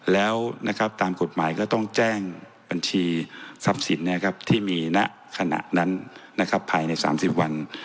แล้วตามกฎหมายก็ต้องแจ้งบัญชีทรัพย์สินที่มีณขณะนั้นภายใน๓๐วัน